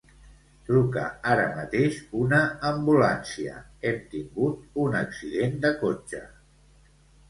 Truca ara mateix una ambulància; hem tingut un accident de cotxe.